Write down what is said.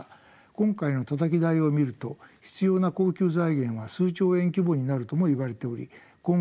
今回のたたき台を見ると必要な恒久財源は数兆円規模になるともいわれており今後大きな議論になるでしょう。